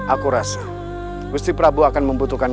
aku rasa gusti prabu akan membutuhkan